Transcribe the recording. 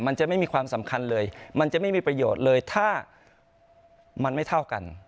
มันจะไม่มีความสำคัญเลยมันจะไม่มีประโยชน์เลยถ้ามันไม่เท่ากัน